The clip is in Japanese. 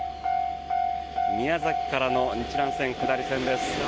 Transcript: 宮崎からの日南線下りです。